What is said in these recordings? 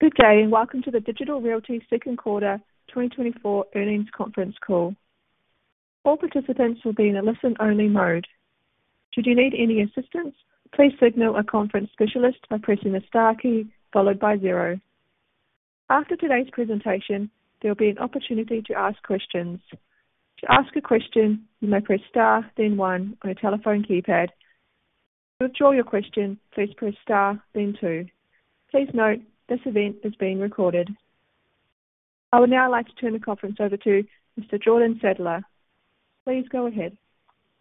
Good day, and welcome to the Digital Realty Second Quarter 2024 Earnings Conference Call. All participants will be in a listen-only mode. Should you need any assistance, please signal a conference specialist by pressing the star key followed by zero. After today's presentation, there will be an opportunity to ask questions. To ask a question, you may press star, then one, on your telephone keypad. To withdraw your question, please press star, then two. Please note this event is being recorded. I would now like to turn the conference over to Mr. Jordan Sadler. Please go ahead.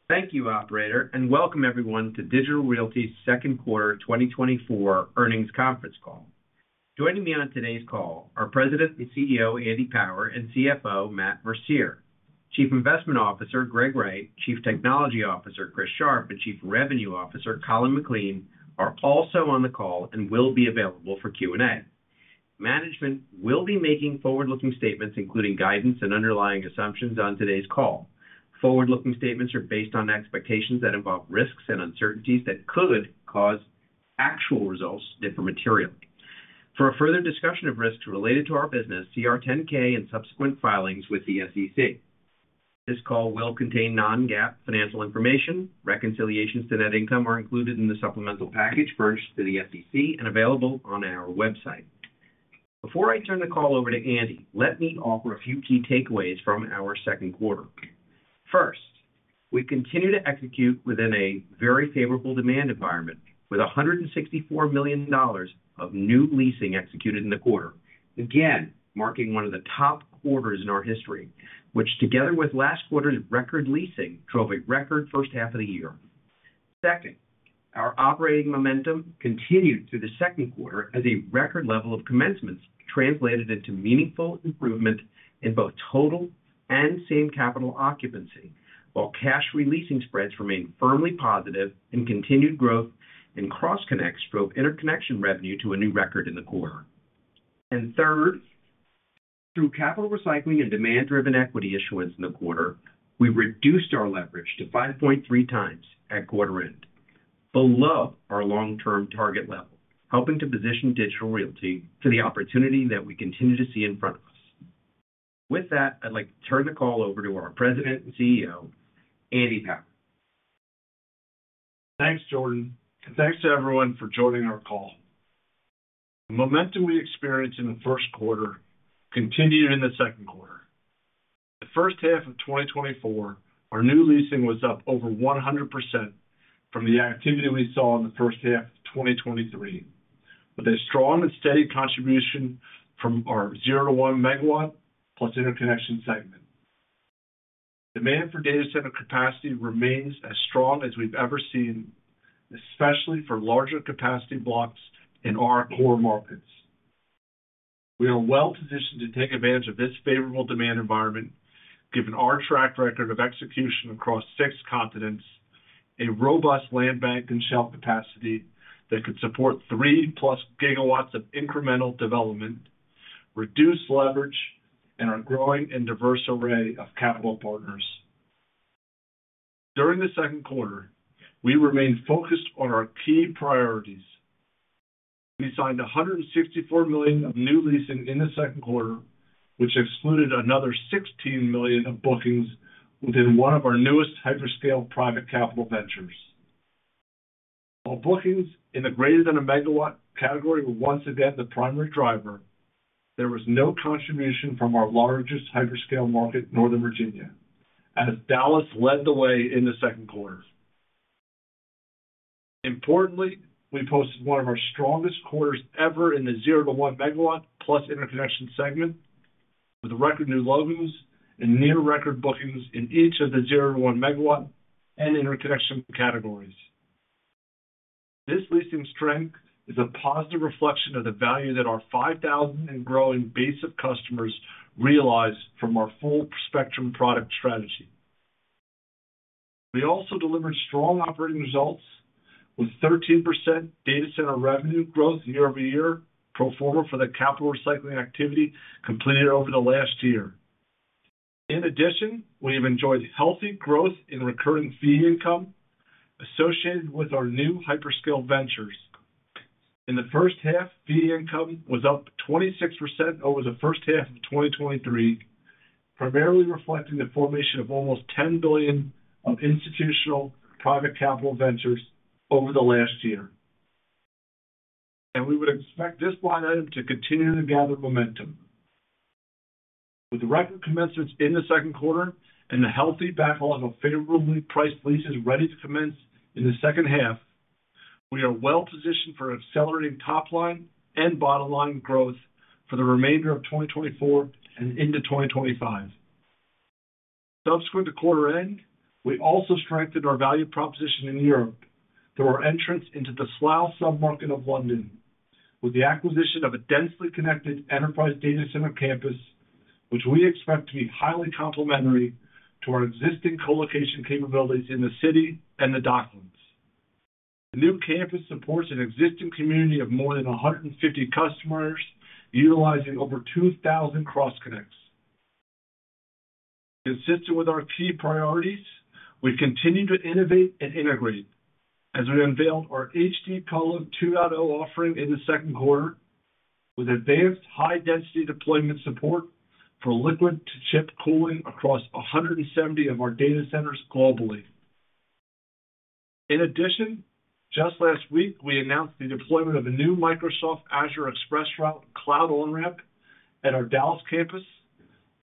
Thank you, Operator, and welcome everyone to Digital Realty Second Quarter 2024 Earnings Conference Call. Joining me on today's call are President and CEO Andy Power and CFO Matt Mercier, Chief Investment Officer Greg Wright, Chief Technology Officer Chris Sharp, and Chief Revenue Officer Colin McLean are also on the call and will be available for Q and A. Management will be making forward-looking statements, including guidance and underlying assumptions on today's call. Forward-looking statements are based on expectations that involve risks and uncertainties that could cause actual results that are material. For further discussion of risks related to our business, 10-K and subsequent filings with the SEC. This call will contain non-GAAP financial information. Reconciliations to net income are included in the supplemental package furnished to the SEC and available on our website. Before I turn the call over to Andy, let me offer a few key takeaways from our second quarter. First, we continue to execute within a very favorable demand environment, with $164 million of new leasing executed in the quarter, again marking one of the top quarters in our history, which, together with last quarter's record leasing, drove a record first half of the year. Second, our operating momentum continued through the second quarter at a record level of commencements, translated into meaningful improvement in both total and same-capital occupancy, while cash re-leasing spreads remained firmly positive, and continued growth in cross-connects drove interconnection revenue to a new record in the quarter. And third, through capital recycling and demand-driven equity issuance in the quarter, we reduced our leverage to 5.3x at quarter end, below our long-term target level, helping to position Digital Realty to the opportunity that we continue to see in front of us. With that, I'd like to turn the call over to our President and CEO, Andy Power. Thanks, Jordan, and thanks to everyone for joining our call. The momentum we experienced in the first quarter continued in the second quarter. In the first half of 2024, our new leasing was up over 100% from the activity we saw in the first half of 2023, with a strong and steady contribution from our 0-1 MW plus interconnection segment. Demand for data center capacity remains as strong as we've ever seen, especially for larger capacity blocks in our core markets. We are well positioned to take advantage of this favorable demand environment, given our track record of execution across six continents, a robust land bank and shelf capacity that could support 3+ GW of incremental development, reduced leverage, and our growing and diverse array of capital partners. During the second quarter, we remained focused on our key priorities. We signed $164 million of new leasing in the second quarter, which excluded another $16 million of bookings within one of our newest hyperscale private capital ventures. While bookings in the greater-than-a-megawatt category were once again the primary driver, there was no contribution from our largest hyperscale market, Northern Virginia, as Dallas led the way in the second quarter. Importantly, we posted one of our strongest quarters ever in the 0-1 MW plus interconnection segment, with record new logos and near-record bookings in each of the 0-1 MW and interconnection categories. This leasing strength is a positive reflection of the value that our 5,000 and growing base of customers realize from our full-spectrum product strategy. We also delivered strong operating results, with 13% data center revenue growth year-over-year pro forma for the capital recycling activity completed over the last year. In addition, we have enjoyed healthy growth in recurring fee income associated with our new hyperscale ventures. In the first half, fee income was up 26% over the first half of 2023, primarily reflecting the formation of almost $10 billion of institutional private capital ventures over the last year. We would expect this line item to continue to gather momentum. With the record commencements in the second quarter and the healthy backlog of favorably priced leases ready to commence in the second half, we are well positioned for accelerating top-line and bottom-line growth for the remainder of 2024 and into 2025. Subsequent to quarter end, we also strengthened our value proposition in Europe through our entrance into the Slough submarket of London, with the acquisition of a densely connected enterprise data center campus, which we expect to be highly complementary to our existing colocation capabilities in the city and the Docklands. The new campus supports an existing community of more than 150 customers utilizing over 2,000 cross-connects. Consistent with our key priorities, we continue to innovate and integrate as we unveiled our HD Colo 2.0 offering in the second quarter, with advanced high-density deployment support for liquid-to-chip cooling across 170 of our data centers globally. In addition, just last week, we announced the deployment of a new Microsoft Azure ExpressRoute cloud on-ramp at our Dallas campus,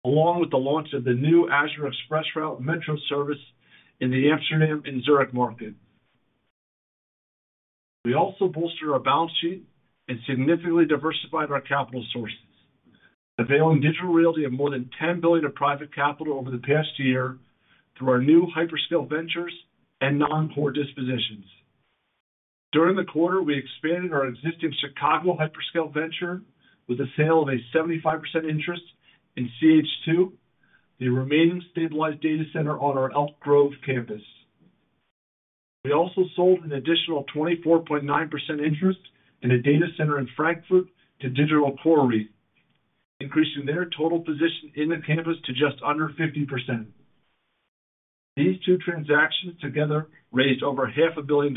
along with the launch of the new Azure ExpressRoute Metro service in the Amsterdam and Zurich market. We also bolstered our balance sheet and significantly diversified our capital sources, availing Digital Realty of more than $10 billion of private capital over the past year through our new hyperscale ventures and non-core dispositions. During the quarter, we expanded our existing Chicago hyperscale venture with a sale of a 75% interest in CH2, the remaining stabilized data center on our Elk Grove campus. We also sold an additional 24.9% interest in a data center in Frankfurt to Digital Core REIT, increasing their total position in the campus to just under 50%. These two transactions together raised over $500 million.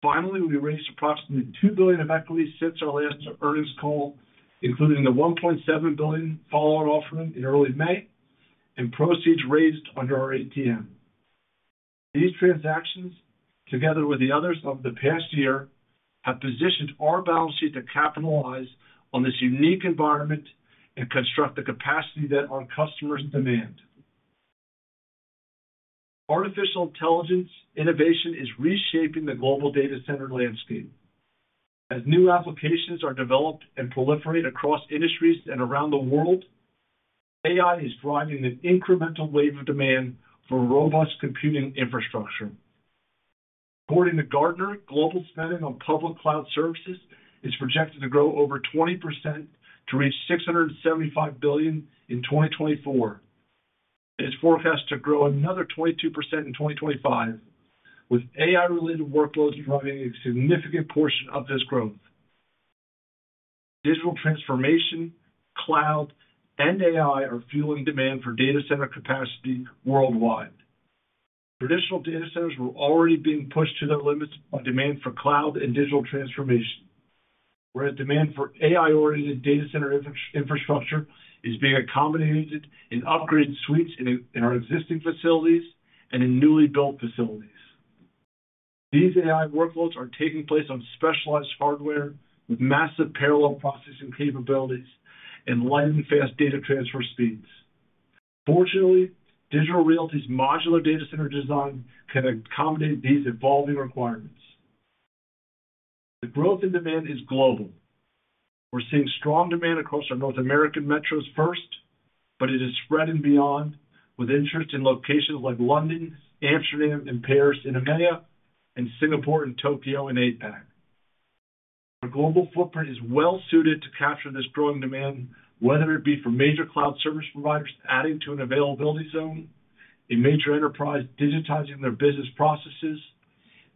Finally, we raised approximately $2 billion of equity since our last earnings call, including the $1.7 billion follow-on offering in early May and proceeds raised under our ATM. These transactions, together with the others of the past year, have positioned our balance sheet to capitalize on this unique environment and construct the capacity that our customers demand. Artificial intelligence innovation is reshaping the global data center landscape. As new applications are developed and proliferate across industries and around the world, AI is driving an incremental wave of demand for robust computing infrastructure. According to Gartner, global spending on public cloud services is projected to grow over 20% to reach $675 billion in 2024. It is forecast to grow another 22% in 2025, with AI-related workloads driving a significant portion of this growth. Digital transformation, cloud, and AI are fueling demand for data center capacity worldwide. Traditional data centers were already being pushed to their limits by demand for cloud and digital transformation, whereas demand for AI-oriented data center infrastructure is being accommodated in upgraded suites in our existing facilities and in newly built facilities. These AI workloads are taking place on specialized hardware with massive parallel processing capabilities and lightning-fast data transfer speeds. Fortunately, Digital Realty's modular data center design can accommodate these evolving requirements. The growth in demand is global. We're seeing strong demand across our North American metros first, but it is spreading beyond, with interest in locations like London, Amsterdam, and Paris in EMEA, and Singapore and Tokyo in APAC. Our global footprint is well-suited to capture this growing demand, whether it be for major cloud service providers adding to an availability zone, a major enterprise digitizing their business processes,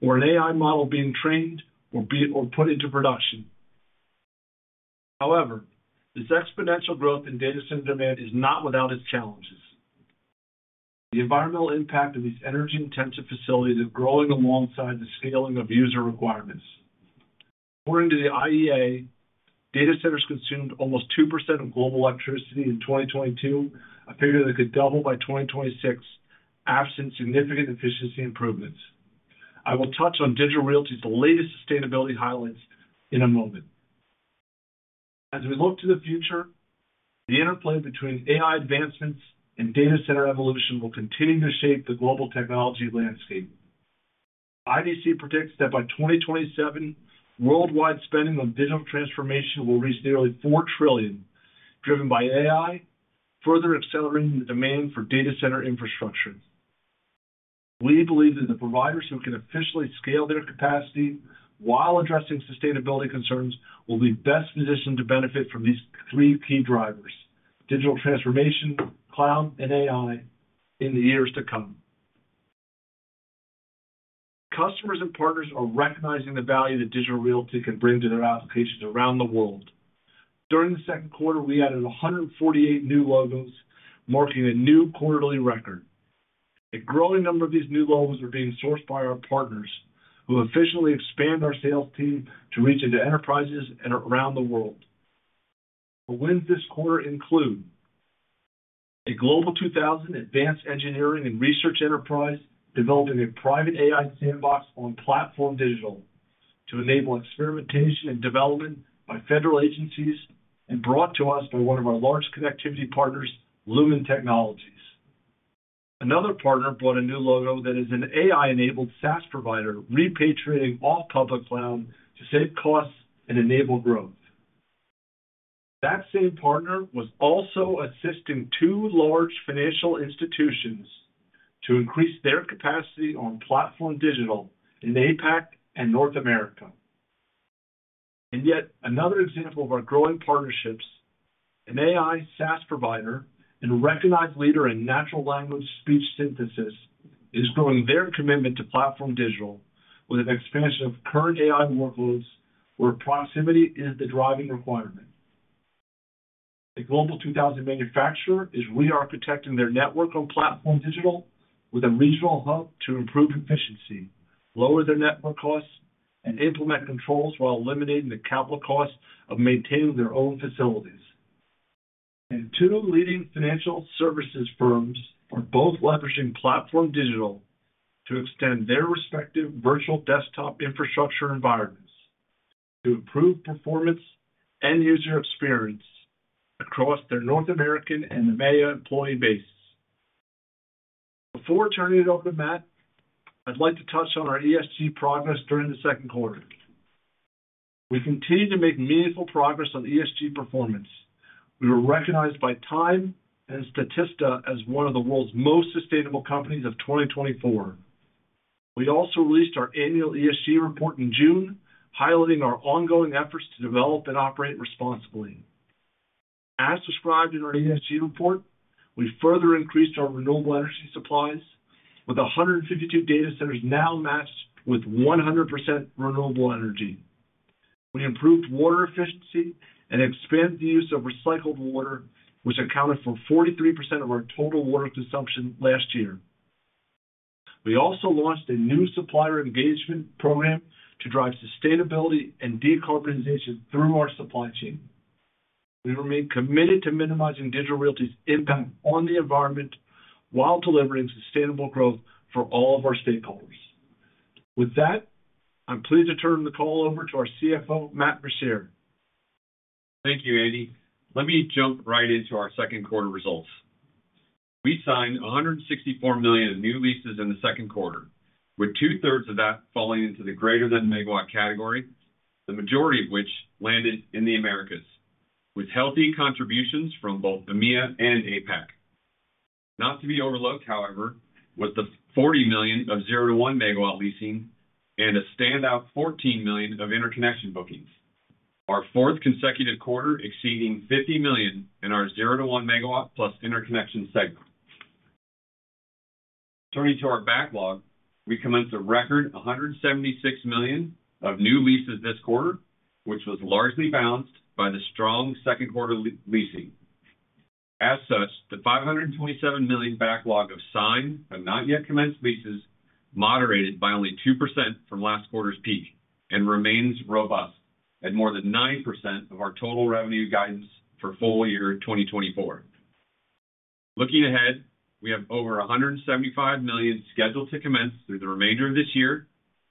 or an AI model being trained or put into production. However, this exponential growth in data center demand is not without its challenges. The environmental impact of these energy-intensive facilities is growing alongside the scaling of user requirements. According to the IEA, data centers consumed almost 2% of global electricity in 2022, a figure that could double by 2026, absent significant efficiency improvements. I will touch on Digital Realty's latest sustainability highlights in a moment. As we look to the future, the interplay between AI advancements and data center evolution will continue to shape the global technology landscape. IDC predicts that by 2027, worldwide spending on digital transformation will reach nearly $4 trillion, driven by AI, further accelerating the demand for data center infrastructure. We believe that the providers who can efficiently scale their capacity while addressing sustainability concerns will be best positioned to benefit from these three key drivers: digital transformation, cloud, and AI in the years to come. Customers and partners are recognizing the value that Digital Realty can bring to their applications around the world. During the second quarter, we added 148 new logos, marking a new quarterly record. A growing number of these new logos are being sourced by our partners, who have officially expanded our sales team to reach into enterprises around the world. The wins this quarter include a Global 2000 advanced engineering and research enterprise developing a private AI sandbox on PlatformDIGITAL to enable experimentation and development by federal agencies and brought to us by one of our large connectivity partners, Lumen Technologies. Another partner brought a new logo that is an AI-enabled SaaS provider repatriating off-public cloud to save costs and enable growth. That same partner was also assisting two large financial institutions to increase their capacity on PlatformDIGITAL in APAC and North America. Yet, another example of our growing partnerships: an AI SaaS provider and recognized leader in natural language speech synthesis is growing their commitment to PlatformDIGITAL with an expansion of current AI workloads where proximity is the driving requirement. A Global 2000 manufacturer is re-architecting their network on PlatformDIGITAL with a regional hub to improve efficiency, lower their network costs, and implement controls while eliminating the capital costs of maintaining their own facilities. Two leading financial services firms are both leveraging PlatformDIGITAL to extend their respective virtual desktop infrastructure environments to improve performance and user experience across their North American and EMEA employee base. Before turning it over to Matt, I'd like to touch on our ESG progress during the second quarter. We continue to make meaningful progress on ESG performance. We were recognized by Time and Statista as one of the world's most sustainable companies of 2024. We also released our annual ESG report in June, highlighting our ongoing efforts to develop and operate responsibly. As described in our ESG report, we further increased our renewable energy supplies, with 152 data centers now matched with 100% renewable energy. We improved water efficiency and expanded the use of recycled water, which accounted for 43% of our total water consumption last year. We also launched a new supplier engagement program to drive sustainability and decarbonization through our supply chain. We remain committed to minimizing Digital Realty's impact on the environment while delivering sustainable growth for all of our stakeholders. With that, I'm pleased to turn the call over to our CFO, Matt Mercier. Thank you, Andy. Let me jump right into our second quarter results. We signed $164 million of new leases in the second quarter, with two-thirds of that falling into the greater-than-megawatt category, the majority of which landed in the Americas, with healthy contributions from both EMEA and APAC. Not to be overlooked, however, was the $40 million of 0-1 MW leasing and a standout $14 million of interconnection bookings, our fourth consecutive quarter exceeding $50 million in our 0-1 MW plus interconnection segment. Turning to our backlog, we commenced a record $176 million of new leases this quarter, which was largely balanced by the strong second quarter leasing. As such, the $527 million backlog of signed and not-yet-commenced leases moderated by only 2% from last quarter's peak and remains robust at more than 9% of our total revenue guidance for full year 2024. Looking ahead, we have over $175 million scheduled to commence through the remainder of this year,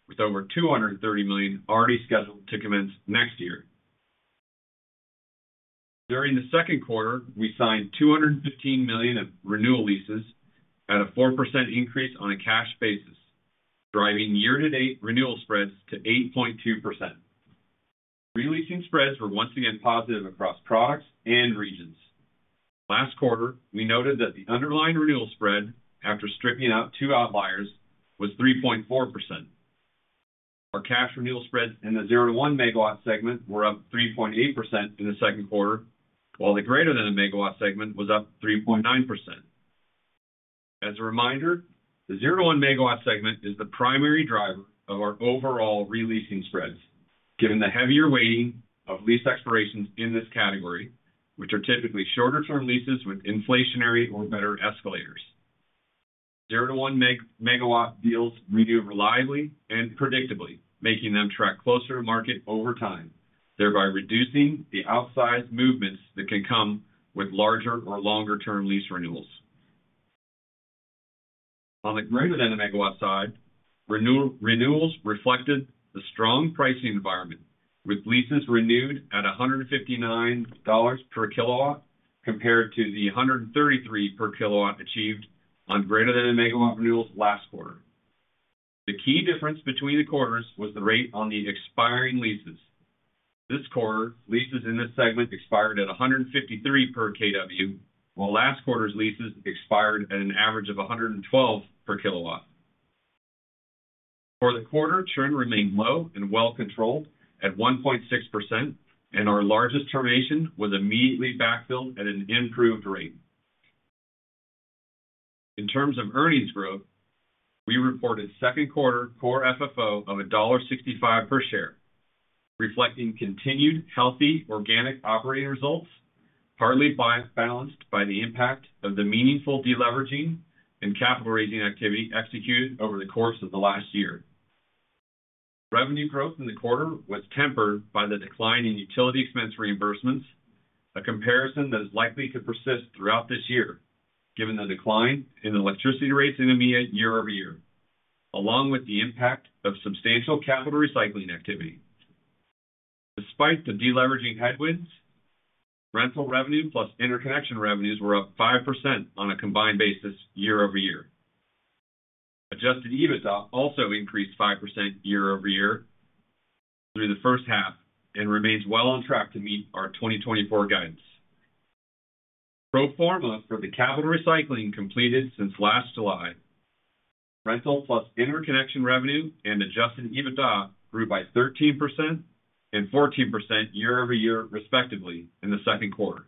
with over $230 million already scheduled to commence next year. During the second quarter, we signed $215 million of renewal leases at a 4% increase on a cash basis, driving year-to-date renewal spreads to 8.2%. Releasing spreads were once again positive across products and regions. Last quarter, we noted that the underlying renewal spread after stripping out two outliers was 3.4%. Our cash renewal spreads in the 0-1 MW segment were up 3.8% in the second quarter, while the > 1 MW segment was up 3.9%. As a reminder, the 0-1 MW segment is the primary driver of our overall releasing spreads, given the heavier weighting of lease expirations in this category, which are typically shorter-term leases with inflationary or better escalators. 0-1 MW deals renew reliably and predictably, making them track closer to market over time, thereby reducing the outsized movements that can come with larger or longer-term lease renewals. On the > 1 MW, renewals reflected the strong pricing environment, with leases renewed at $159 per kilowatt compared to the $133 per kilowatt achieved on > 1 MW renewals last quarter. The key difference between the quarters was the rate on the expiring leases. This quarter, leases in this segment expired at $153 per kW, while last quarter's leases expired at an average of $112 per kilowatt. For the quarter, churn remained low and well-controlled at 1.6%, and our largest termination was immediately backfilled at an improved rate. In terms of earnings growth, we reported second quarter core FFO of $1.65 per share, reflecting continued healthy organic operating results, partly balanced by the impact of the meaningful deleveraging and capital-raising activity executed over the course of the last year. Revenue growth in the quarter was tempered by the decline in utility expense reimbursements, a comparison that is likely to persist throughout this year, given the decline in electricity rates in EMEA year-over-year, along with the impact of substantial capital recycling activity. Despite the deleveraging headwinds, rental revenue plus interconnection revenues were up 5% on a combined basis year-over-year. Adjusted EBITDA also increased 5% year-over-year through the first half and remains well on track to meet our 2024 guidance. Pro forma for the capital recycling completed since last July, rental plus interconnection revenue and adjusted EBITDA grew by 13% and 14% year-over-year, respectively, in the second quarter.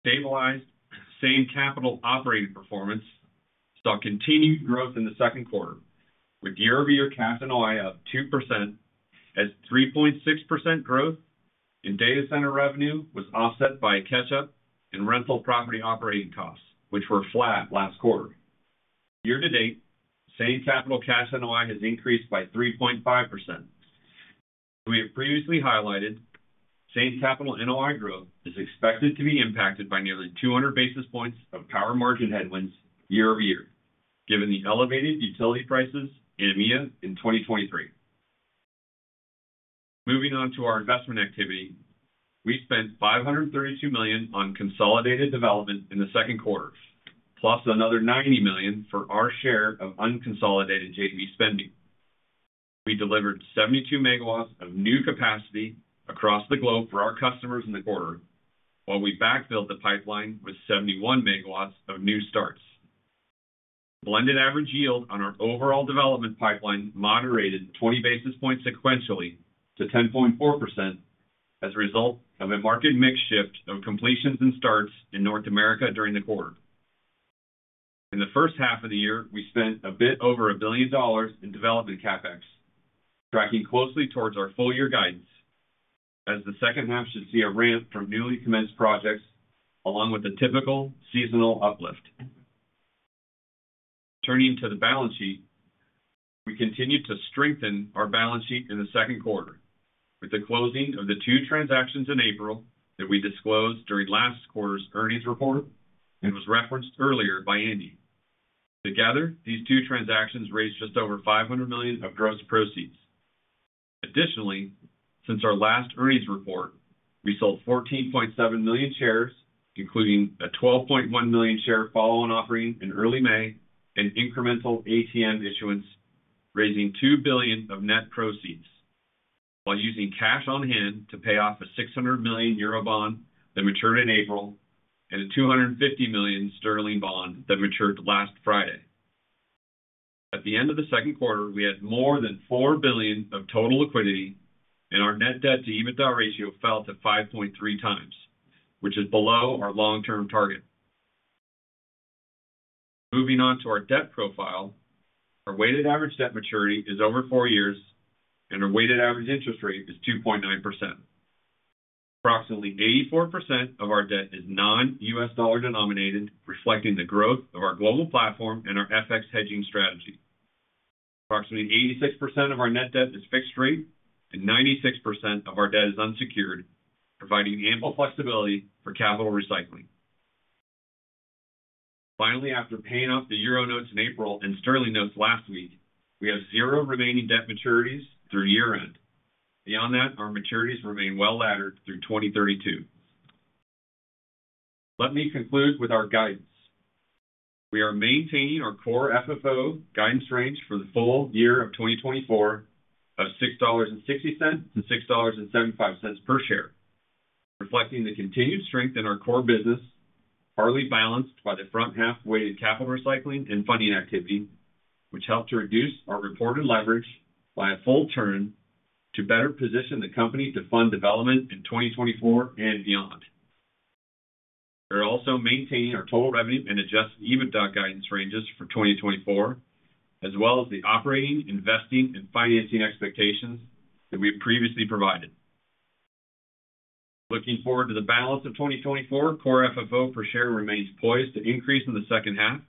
Stabilized same capital operating performance saw continued growth in the second quarter, with year-over-year Cash NOI of 2% as 3.6% growth, and data center revenue was offset by a catch-up in rental property operating costs, which were flat last quarter. Year-to-date, same capital Cash NOI has increased by 3.5%. As we have previously highlighted, same capital and OI growth is expected to be impacted by nearly 200 basis points of power margin headwinds year-over-year, given the elevated utility prices in EMEA in 2023. Moving on to our investment activity, we spent $532 million on consolidated development in the second quarter, plus another $90 million for our share of unconsolidated JV spending. We delivered 72 MW of new capacity across the globe for our customers in the quarter, while we backfilled the pipeline with 71 MW of new starts. Blended average yield on our overall development pipeline moderated 20 basis points sequentially to 10.4% as a result of a market mix shift of completions and starts in North America during the quarter. In the first half of the year, we spent a bit over $1 billion in development CapEx, tracking closely towards our full-year guidance, as the second half should see a ramp from newly commenced projects along with a typical seasonal uplift. Turning to the balance sheet, we continued to strengthen our balance sheet in the second quarter, with the closing of the two transactions in April that we disclosed during last quarter's earnings report and was referenced earlier by Andy. Together, these two transactions raised just over $500 million of gross proceeds. Additionally, since our last earnings report, we sold 14.7 million shares, including a $12.1 million share follow-on offering in early May, and incremental ATM issuance, raising $2 billion of net proceeds, while using cash on hand to pay off a 600 million euro bond that matured in April and a 250 million sterling bond that matured last Friday. At the end of the second quarter, we had more than $4 billion of total liquidity, and our net debt-to-EBITDA ratio fell to 5.3x, which is below our long-term target. Moving on to our debt profile, our weighted average debt maturity is over four years, and our weighted average interest rate is 2.9%. Approximately 84% of our debt is non-U.S. dollar denominated, reflecting the growth of our global platform and our FX hedging strategy. Approximately 86% of our net debt is fixed rate, and 96% of our debt is unsecured, providing ample flexibility for capital recycling. Finally, after paying off the euro notes in April and sterling notes last week, we have zero remaining debt maturities through year-end. Beyond that, our maturities remain well laddered through 2032. Let me conclude with our guidance. We are maintaining our core FFO guidance range for the full year of 2024 of $6.60-$6.75 per share, reflecting the continued strength in our core business, partly balanced by the front-half weighted capital recycling and funding activity, which helped to reduce our reported leverage by a full turn to better position the company to fund development in 2024 and beyond. We are also maintaining our total revenue and adjusted EBITDA guidance ranges for 2024, as well as the operating, investing, and financing expectations that we have previously provided. Looking forward to the balance of 2024, core FFO per share remains poised to increase in the second half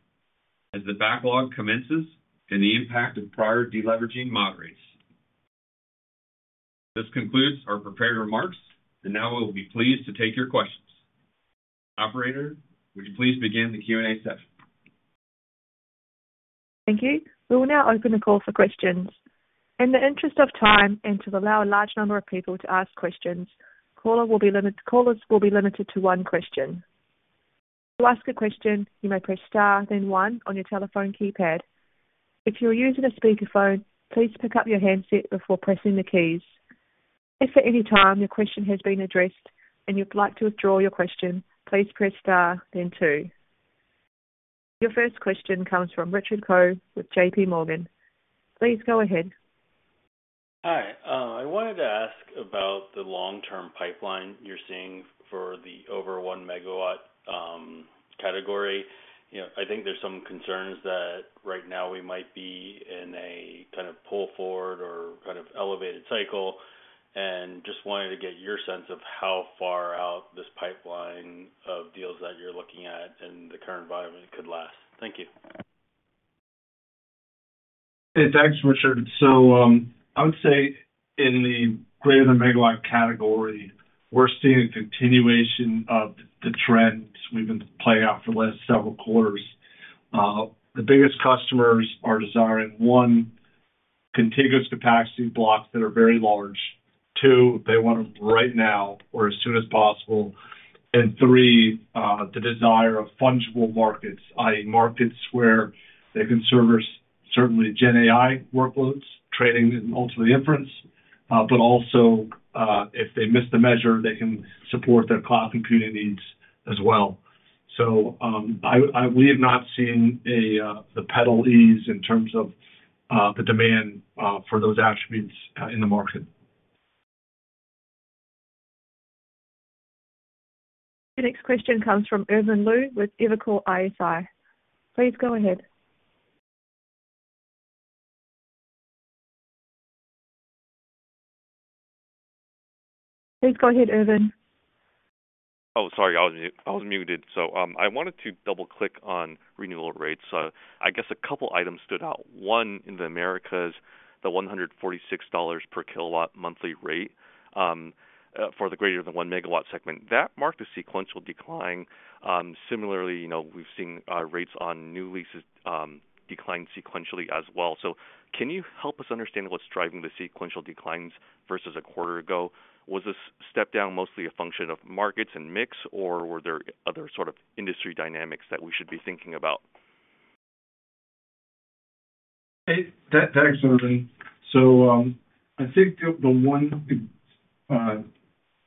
as the backlog commences and the impact of prior deleveraging moderates. This concludes our prepared remarks, and now we will be pleased to take your questions. Operator, would you please begin the Q and A session? Thank you. We will now open the call for questions. In the interest of time and to allow a large number of people to ask questions, callers will be limited to one question. To ask a question, you may press star, then one on your telephone keypad. If you are using a speakerphone, please pick up your handset before pressing the keys. If at any time your question has been addressed and you'd like to withdraw your question, please press star, then two. Your first question comes from Richard Choe with JPMorgan. Please go ahead. Hi. I wanted to ask about the long-term pipeline you're seeing for the over 1 MW category. I think there's some concerns that right now we might be in a kind of pull-forward or kind of elevated cycle, and just wanted to get your sense of how far out this pipeline of deals that you're looking at and the current volume it could last. Thank you. Hey, thanks, Richard. So I would say in the > 1 MW category, we're seeing a continuation of the trends we've been playing out for the last several quarters. The biggest customers are desiring, one, contiguous capacity blocks that are very large. Two, they want them right now or as soon as possible. And three, the desire of fungible markets, i.e., markets where they can service certainly GenAI workloads, training, and ultimately inference, but also if they miss the measure, they can support their cloud computing needs as well. So we have not seen the pedal ease in terms of the demand for those attributes in the market. The next question comes from Irvin Liu with Evercore ISI. Please go ahead. Please go ahead, Irvin. Oh, sorry. I was muted. So I wanted to double-click on renewal rates. I guess a couple of items stood out. One, in the Americas, the $146 per kilowatt monthly rate for the > 1 MW segment. That marked a sequential decline. Similarly, we've seen rates on new leases decline sequentially as well. So can you help us understand what's driving the sequential declines versus a quarter ago? Was this step-down mostly a function of markets and mix, or were there other sort of industry dynamics that we should be thinking about? Hey, thanks, Irvin. So I think the one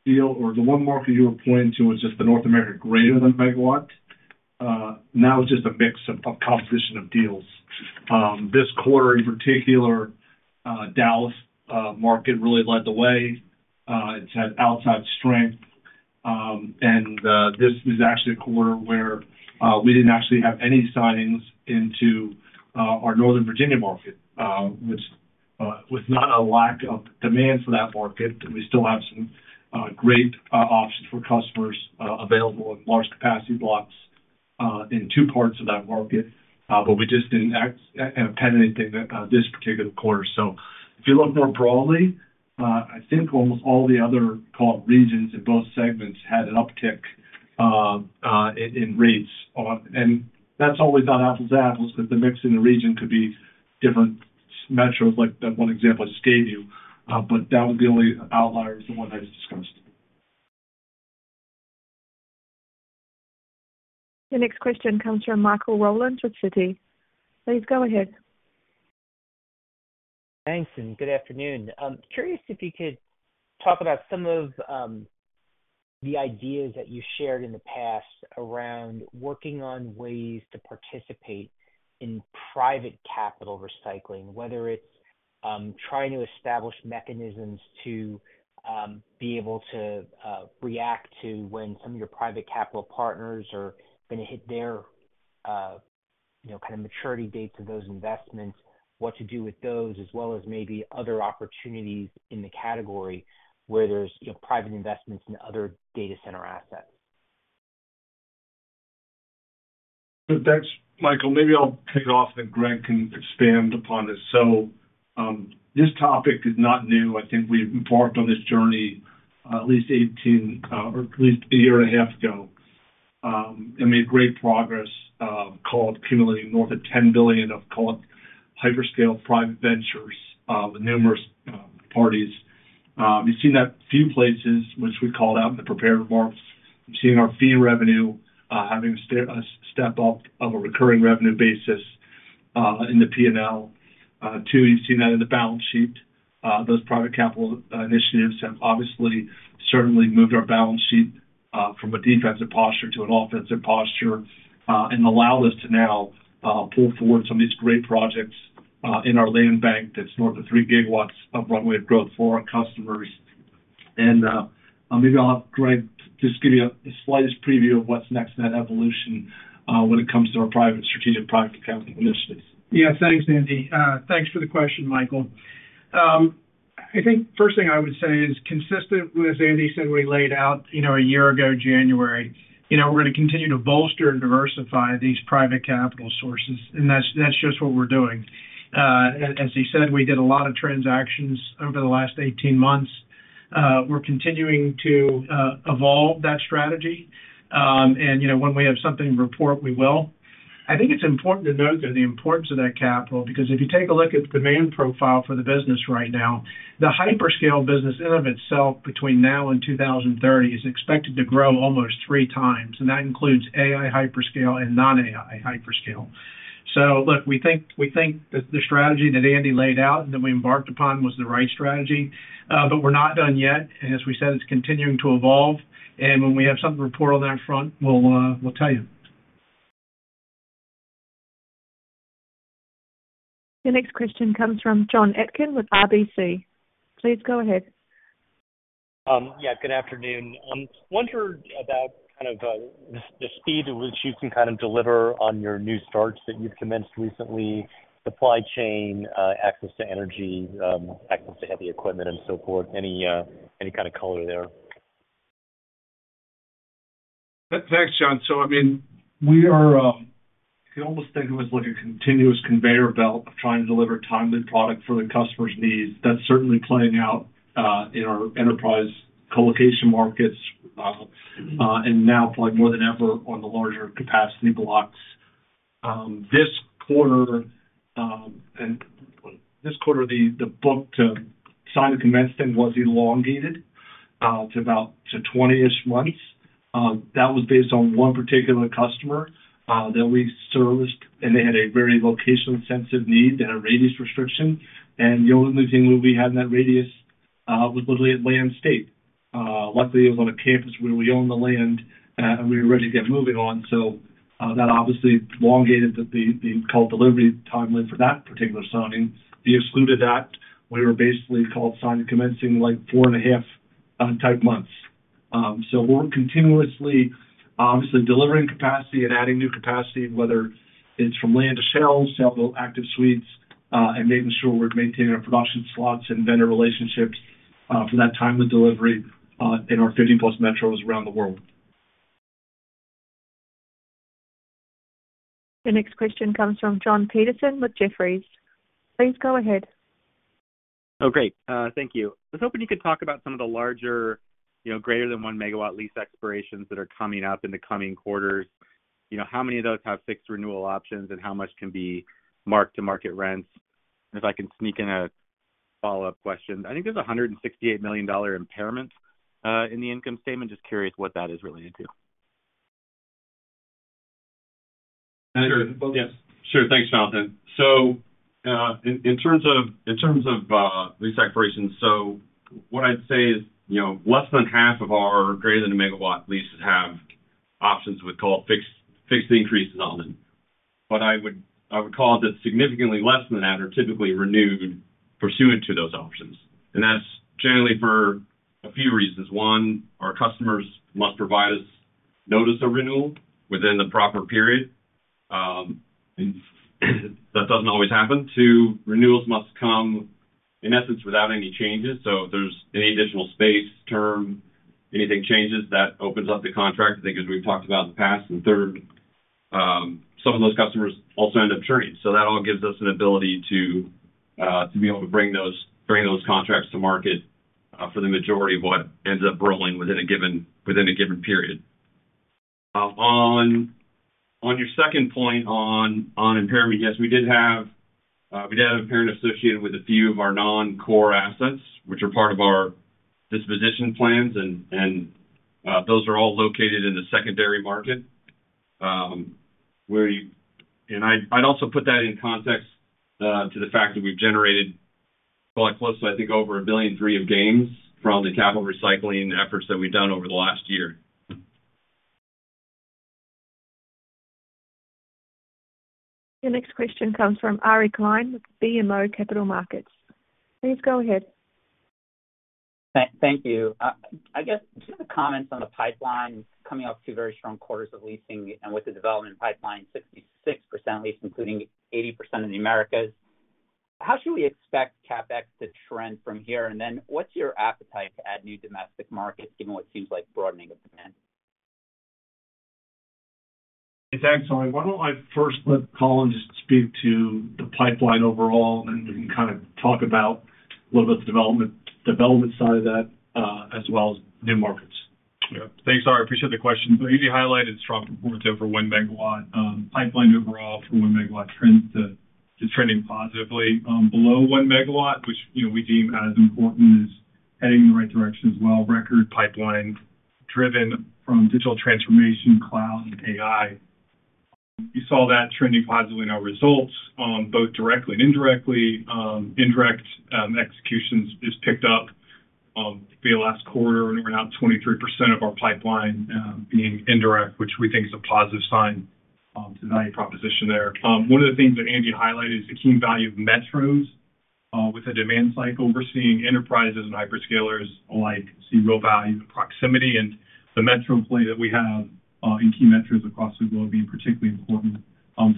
deal or the one market you were pointing to was just the North America > 1 MW. Now it's just a mix of composition of deals. This quarter, in particular, Dallas market really led the way. It's had outside strength. And this is actually a quarter where we didn't actually have any signings into our Northern Virginia market, which was not a lack of demand for that market. We still have some great options for customers available in large capacity blocks in two parts of that market, but we just didn't have anything this particular quarter. So if you look more broadly, I think almost all the other regions, both segments, had an uptick in rates. And that's always not apples to apples because the mix in the region could be different metrics. One example I just gave you, but that was the only outlier is the one that I just discussed. The next question comes from Michael Rollins with Citi. Please go ahead. Thanks, and good afternoon. Curious if you could talk about some of the ideas that you shared in the past around working on ways to participate in private capital recycling, whether it's trying to establish mechanisms to be able to react to when some of your private capital partners are going to hit their kind of maturity dates of those investments, what to do with those, as well as maybe other opportunities in the category where there's private investments in other data center assets? Thanks, Michael. Maybe I'll take it off, and Greg can expand upon this. So this topic is not new. I think we embarked on this journey at least 18 or at least a year and a half ago and made great progress called accumulating north of $10 billion of hyperscale private ventures with numerous parties. You've seen that a few places, which we called out in the prepared remarks. You've seen our fee revenue having a step up of a recurring revenue basis in the P&L. Two, you've seen that in the balance sheet. Those private capital initiatives have obviously certainly moved our balance sheet from a defensive posture to an offensive posture and allowed us to now pull forward some of these great projects in our land bank that's north of 3 GW of runway of growth for our customers. And maybe I'll have Greg just give you the slightest preview of what's next in that evolution when it comes to our strategic private capital initiatives. Yeah, thanks, Andy. Thanks for the question, Michael. I think first thing I would say is consistent with what Andy said when he laid out a year ago, January, we're going to continue to bolster and diversify these private capital sources, and that's just what we're doing. As he said, we did a lot of transactions over the last 18 months. We're continuing to evolve that strategy. And when we have something to report, we will. I think it's important to note the importance of that capital because if you take a look at the demand profile for the business right now, the hyperscale business in and of itself between now and 2030 is expected to grow almost 3x, and that includes AI hyperscale and non-AI hyperscale. So look, we think the strategy that Andy laid out and that we embarked upon was the right strategy, but we're not done yet. As we said, it's continuing to evolve. And when we have something to report on that front, we'll tell you. The next question comes from Jon Atkin with RBC. Please go ahead. Yeah, good afternoon. I wondered about kind of the speed at which you can kind of deliver on your new starts that you've commenced recently, supply chain, access to energy, access to heavy equipment, and so forth. Any kind of color there? Thanks, Jon. So, I mean, we are. I can almost think of it as like a continuous conveyor belt of trying to deliver timely product for the customer's needs. That's certainly playing out in our enterprise colocation markets and now probably more than ever on the larger capacity blocks. This quarter, the book to sign the commence thing was elongated to about 20-ish months. That was based on one particular customer that we serviced, and they had a very location-sensitive need. They had a radius restriction. The only thing we had in that radius was literally a land site. Luckily, it was on a campus where we owned the land, and we were ready to get moving on. That obviously elongated the delivery timeline for that particular signing. We excluded that. We were basically at sign to commence like 4.5 months. We're continuously, obviously, delivering capacity and adding new capacity, whether it's from land to shell, shell to active suites, and making sure we're maintaining our production slots and vendor relationships for that timely delivery in our 50+ metros around the world. The next question comes from Jon Petersen with Jefferies. Please go ahead. Oh, great. Thank you. I was hoping you could talk about some of the larger > 1 MW lease expirations that are coming up in the coming quarters. How many of those have fixed renewal options, and how much can be marked to market rents? And if I can sneak in a follow-up question, I think there's a $168 million impairment in the income statement. Just curious what that is related to. Sure. Yes. Sure. Thanks, Jonathan. In terms of lease expirations, what I'd say is less than half of our > 1 MW leases have options we call fixed increases on them. But I would call it that significantly less than that are typically renewed pursuant to those options. And that's generally for a few reasons. One, our customers must provide us notice of renewal within the proper period. That doesn't always happen. Two, renewals must come, in essence, without any changes. So if there's any additional space, term, anything changes, that opens up the contract, I think, as we've talked about in the past. And third, some of those customers also end up turning. So that all gives us an ability to be able to bring those contracts to market for the majority of what ends up rolling within a given period. On your second point on impairment, yes, we did have impairment associated with a few of our non-core assets, which are part of our disposition plans, and those are all located in the secondary market. And I'd also put that in context to the fact that we've generated, well, we're close to, I think, over $1.3 billion of gains from the capital recycling efforts that we've done over the last year. The next question comes from Ari Klein with BMO Capital Markets. Please go ahead. Thank you. I guess just the comments on the pipeline coming off two very strong quarters of leasing and with the development pipeline, 66% leased, including 80% of the Americas. How should we expect CapEx to trend from here? And then what's your appetite to add new domestic markets, given what seems like broadening of demand? Thanks, Ari. Why don't I first let Colin just speak to the pipeline overall, and then we can kind of talk about a little bit of the development side of that as well as new markets. Yeah. Thanks, Ari. I appreciate the question. So you highlighted strong performance over 1 MW. Pipeline overall for 1 MW is trending positively below 1 MW, which we deem as important as heading in the right direction as well. Record pipeline driven from digital transformation, cloud, and AI. You saw that trending positively in our results, both directly and indirectly. Indirect executions just picked up for the last quarter, and we're now at 23% of our pipeline being indirect, which we think is a positive sign to the value proposition there. One of the things that Andy highlighted is the key value of metros with a demand cycle. We're seeing enterprises and hyperscalers alike see real value in proximity, and the metro play that we have in key metros across the globe being particularly important.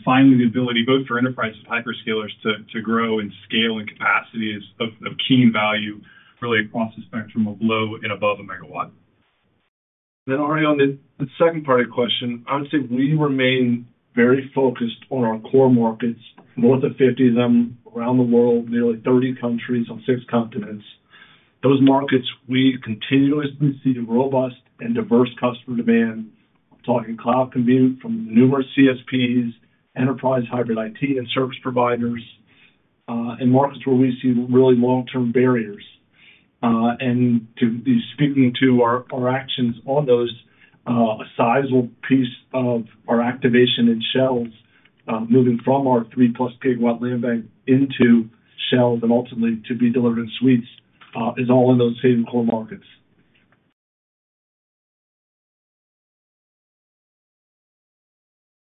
Finally, the ability, both for enterprises and hyperscalers, to grow and scale in capacity is of key value, really, across the spectrum of low and above a megawatt. Then, Ari, on the second part of the question, I would say we remain very focused on our core markets, north of 50 of them around the world, nearly 30 countries on six continents. Those markets, we continuously see robust and diverse customer demand. I'm talking cloud compute from numerous CSPs, enterprise hybrid IT, and service providers, and markets where we see really long-term barriers. And speaking to our actions on those, a sizable piece of our activation in shells, moving from our 3+ GW land bank into shells and ultimately to be delivered in suites, is all in those same core markets.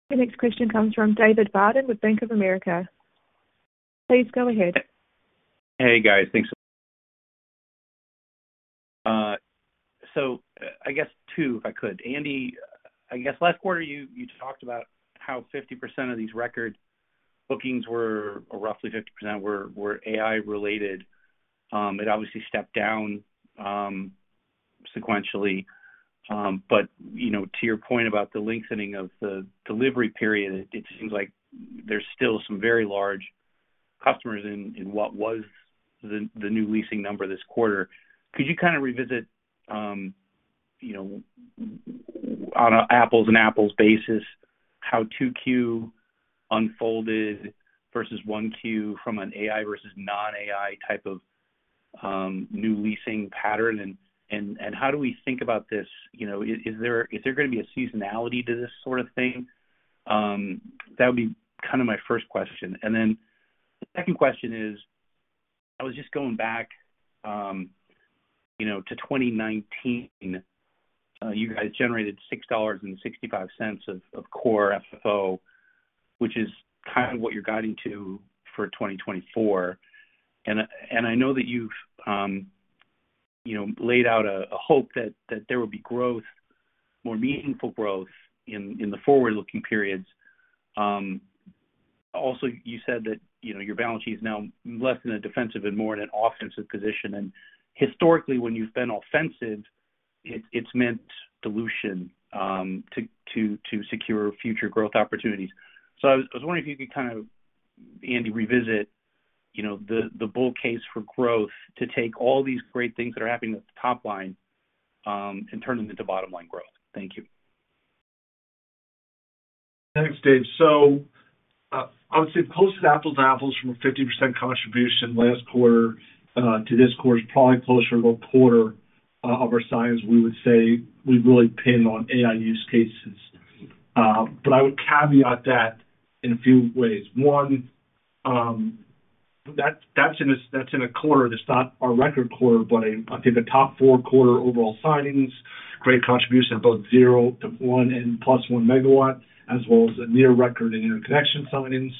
The next question comes from David Barden with Bank of America. Please go ahead. Hey, guys. Thanks. So I guess two, if I could. Andy, I guess last quarter, you talked about how 50% of these record bookings were or roughly 50% were AI-related. It obviously stepped down sequentially. But to your point about the lengthening of the delivery period, it seems like there's still some very large customers in what was the new leasing number this quarter. Could you kind of revisit, on an apples-and-apples basis, how 2Q unfolded versus 1Q from an AI versus non-AI type of new leasing pattern? And how do we think about this? Is there going to be a seasonality to this sort of thing? That would be kind of my first question. And then the second question is, I was just going back to 2019. You guys generated $6.65 of core FFO, which is kind of what you're guiding to for 2024. And I know that you've laid out a hope that there will be growth, more meaningful growth in the forward-looking periods. Also, you said that your balance sheet is now less in a defensive and more in an offensive position. And historically, when you've been offensive, it's meant dilution to secure future growth opportunities. So I was wondering if you could kind of, Andy, revisit the bull case for growth to take all these great things that are happening at the top line and turn them into bottom-line growth. Thank you. Thanks, Dave. So I would say closer to apples-and-apples from a 50% contribution last quarter to this quarter, probably closer to a quarter of our size, we would say we really pin on AI use cases. But I would caveat that in a few ways. One, that's in a quarter that's not our record quarter, but I think the top four quarter overall signings, great contribution of both 0-1 and +1 MW, as well as a near record in interconnection signings.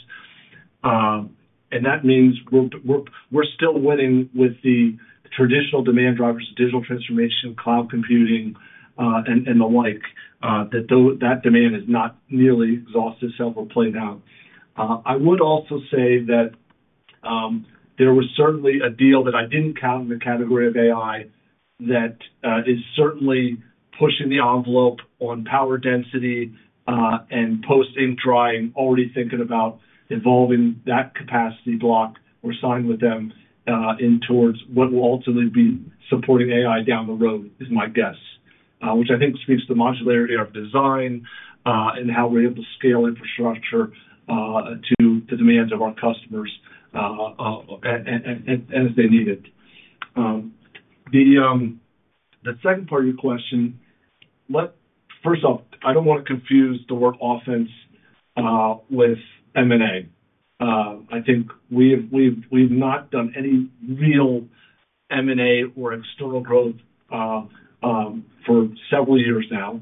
And that means we're still winning with the traditional demand drivers, digital transformation, cloud computing, and the like, that that demand has not nearly exhausted itself or played out. I would also say that there was certainly a deal that I didn't count in the category of AI that is certainly pushing the envelope on power density and post-infrastructure, already thinking about evolving that capacity block. We're signing with them into what will ultimately be supporting AI down the road is my guess, which I think speaks to the modularity of our design and how we're able to scale infrastructure to the demands of our customers as they need it. The second part of your question, first off, I don't want to confuse the word offense with M&A. I think we've not done any real M&A or external growth for several years now.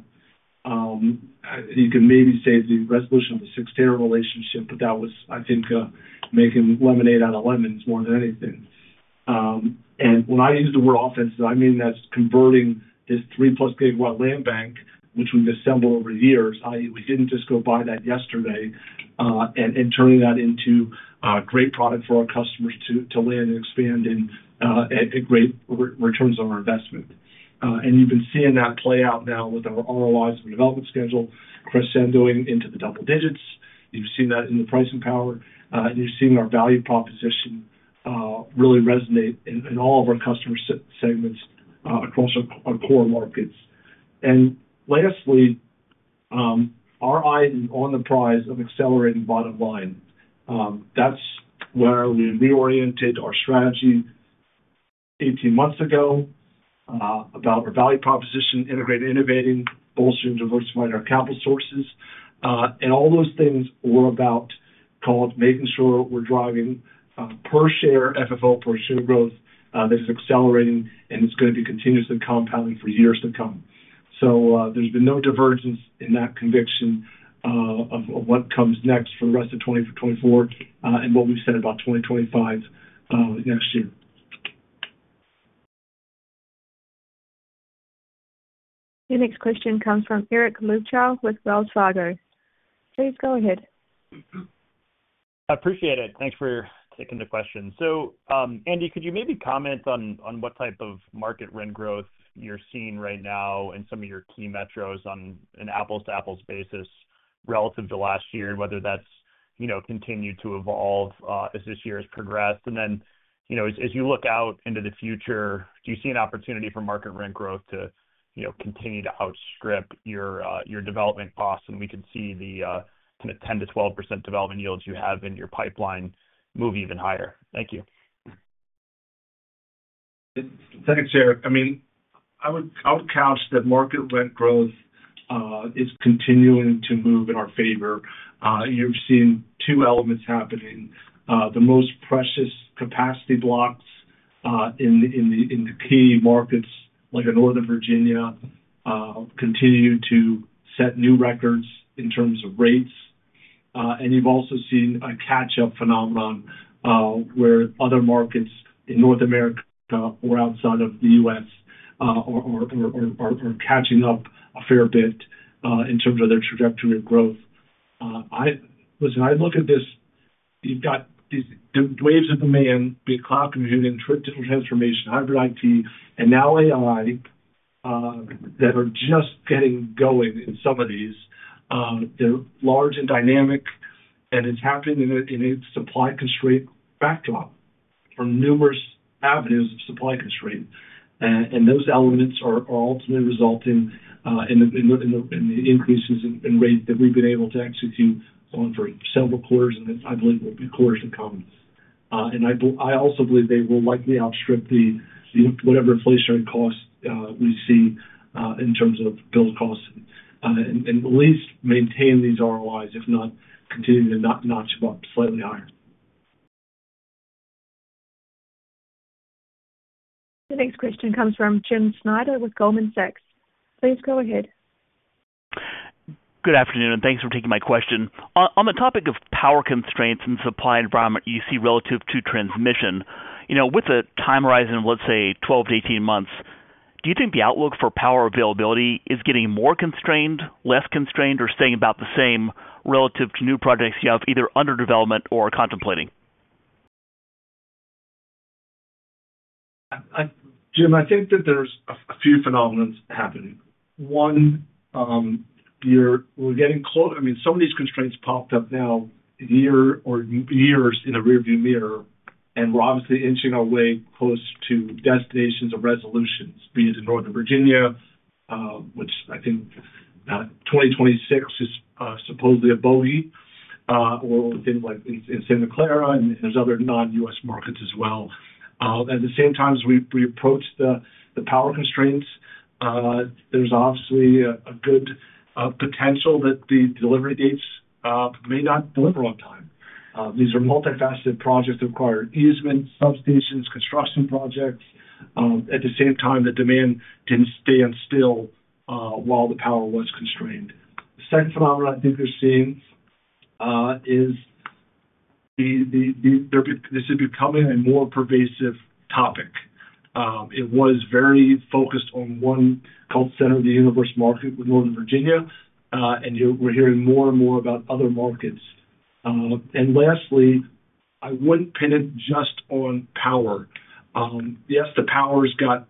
You can maybe say the resolution of their Cyxtera relationship, but that was, I think, making lemonade out of lemons more than anything. When I use the word offense, I mean that's converting this 3+ GW land bank, which we've assembled over the years, i.e., we didn't just go buy that yesterday, and turning that into a great product for our customers to land and expand in great returns on our investment. You've been seeing that play out now with our ROIs and development schedule, crescendoing into the double digits. You've seen that in the pricing power, and you've seen our value proposition really resonate in all of our customer segments across our core markets. Lastly, our eye is on the prize of accelerating bottom line. That's where we reoriented our strategy 18 months ago about our value proposition, integrating, innovating, bolstering, diversifying our capital sources. And all those things were about making sure we're driving per-share FFO, per-share growth that is accelerating, and it's going to be continuously compounding for years to come. So there's been no divergence in that conviction of what comes next for the rest of 2024 and what we've said about 2025 next year. The next question comes from Eric Luebchow with Wells Fargo. Please go ahead. I appreciate it. Thanks for taking the question. So, Andy, could you maybe comment on what type of market rent growth you're seeing right now in some of your key metros on an apples-to-apples basis relative to last year, and whether that's continued to evolve as this year has progressed? And then as you look out into the future, do you see an opportunity for market rent growth to continue to outstrip your development costs? And we can see the kind of 10%-12% development yields you have in your pipeline move even higher. Thank you. Thanks, Eric. I mean, I would couch that market rent growth is continuing to move in our favor. You've seen two elements happening. The most precious capacity blocks in the key markets, like in Northern Virginia, continue to set new records in terms of rates. And you've also seen a catch-up phenomenon where other markets in North America or outside of the U.S. are catching up a fair bit in terms of their trajectory of growth. Listen, I look at this. You've got these waves of demand, cloud computing, digital transformation, hybrid IT, and now AI that are just getting going in some of these. They're large and dynamic, and it's happening in a supply constraint backdrop from numerous avenues of supply constraint. Those elements are ultimately resulting in the increases in rate that we've been able to execute on for several quarters, and I believe will be quarters to come. I also believe they will likely outstrip whatever inflationary costs we see in terms of build costs and at least maintain these ROIs, if not continue to notch them up slightly higher. The next question comes from Jim Schneider with Goldman Sachs. Please go ahead. Good afternoon, and thanks for taking my question. On the topic of power constraints and supply environment you see relative to transmission, with a time horizon of, let's say, 12-18 months, do you think the outlook for power availability is getting more constrained, less constrained, or staying about the same relative to new projects you have either under development or contemplating? Jim, I think that there's a few phenomena happening. One, we're getting close. I mean, some of these constraints popped up now a year or years in the rearview mirror, and we're obviously inching our way close to destinations of resolutions, be it in Northern Virginia, which I think 2026 is supposedly a bogey, or in Santa Clara, and there's other non-U.S. markets as well. At the same time as we approach the power constraints, there's obviously a good potential that the delivery dates may not deliver on time. These are multifaceted projects that require easements, substations, construction projects. At the same time, the demand didn't stand still while the power was constrained. The second phenomenon I think you're seeing is this is becoming a more pervasive topic. It was very focused on one called Center of the Universe Market with Northern Virginia, and we're hearing more and more about other markets. And lastly, I wouldn't pin it just on power. Yes, the power has got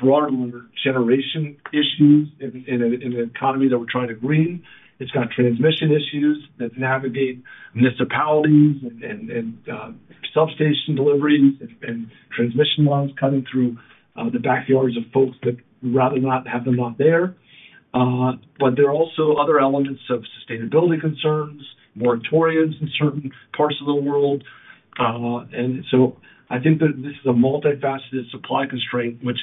broader generation issues in an economy that we're trying to green. It's got transmission issues that navigate municipalities and substation deliveries and transmission lines cutting through the backyards of folks that we'd rather not have them not there. But there are also other elements of sustainability concerns, moratoriums in certain parts of the world. And so I think that this is a multifaceted supply constraint, which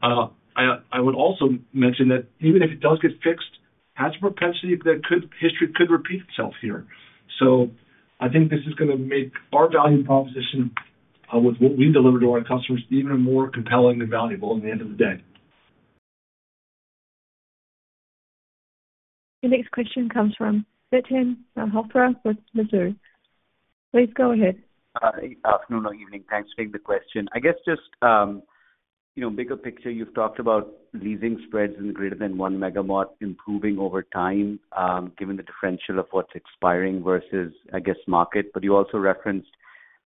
I would also mention that even if it does get fixed, it has a propensity that history could repeat itself here. So I think this is going to make our value proposition with what we deliver to our customers even more compelling and valuable in the end of the day. The next question comes from Vikram Malhotra from Mizuho. Please go ahead. Good afternoon or evening. Thanks for taking the question. I guess just bigger picture, you've talked about leasing spreads in the > 1 MW improving over time, given the differential of what's expiring versus, I guess, market. But you also referenced